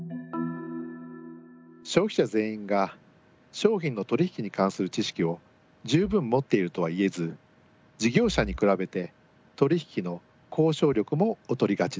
消費者全員が商品の取り引きに関する知識を十分持っているとはいえず事業者に比べて取り引きの交渉力も劣りがちです。